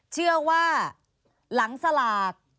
เชื่อว่าหลังสลาก